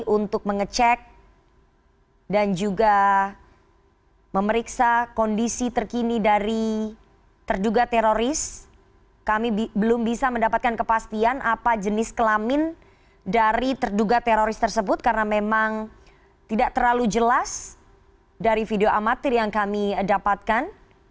untuk mengecek dan juga memeriksa kondisi terkini dari terduga teroris kami belum bisa mendapatkan kepastian apa jenis kelamin dari terduga teroris tersebut karena memang tidak terlalu jelas dari video amatir yang kami dapatkan